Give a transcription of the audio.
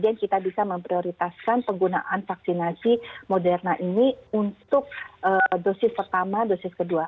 kemudian kita bisa memprioritaskan penggunaan vaksinasi moderna ini untuk dosis pertama dosis kedua